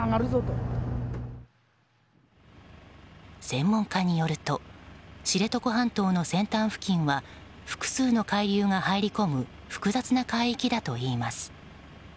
専門家によると知床半島の先端付近は複数の海流が入り込む複雑な海域だといいます。